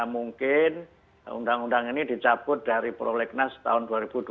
mungkin undang undang ini dicabut dari prolegnas tahun dua ribu dua puluh